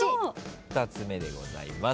２つ目でございます。